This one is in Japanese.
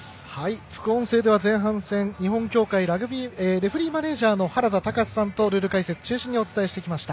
副音声では前半戦日本協会レフリーマネージャーの原田隆司さんとルール解説を中心にお伝えしました。